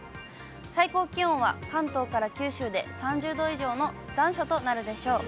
最高気温は関東から九州で３０度以上の残暑となるでしょう。